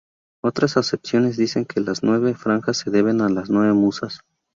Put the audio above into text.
Otras acepciones dicen que las nueve franjas se deben a las nueve musas.